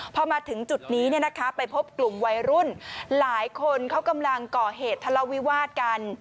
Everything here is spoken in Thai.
พอมาถึงจุดนี้ไปพบกลุ่มวัยรุ่นหลายคนเขากำลังก่อเหตุทะเลาวิวาสกัน